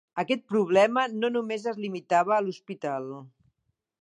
Aquest problema no només es limitava a l"hospital.